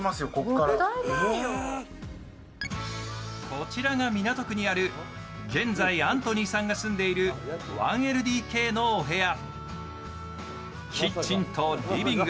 こちらが港区にある現在アントニーさんが住んでいる１ＬＤＫのお部屋。